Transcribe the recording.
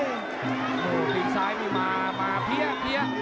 โอ้โหตีนซ้ายนี่มามาเพี้ย